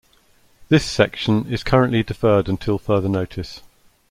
This section is currently deferred until further notice.